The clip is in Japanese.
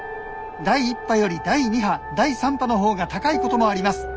第１波より第２波第３波の方が高いこともあります。